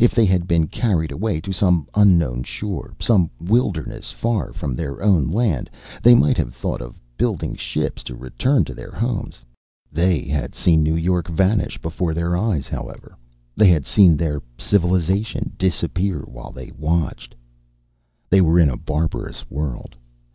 If they had been carried away to some unknown shore, some wilderness far from their own land, they might have thought of building ships to return to their homes. They had seen New York vanish before their eyes, however. They had seen their civilization disappear while they watched. They were in a barbarous world.